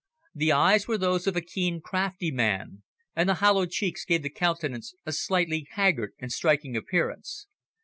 The eyes were those of a keen, crafty man, and the hollow cheeks gave the countenance a slightly haggard and striking appearance.